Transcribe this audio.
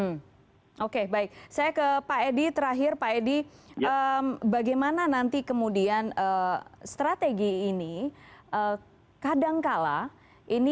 hmm oke baik saya ke pak edi terakhir pak edi bagaimana nanti kemudian strategi ini kadangkala ini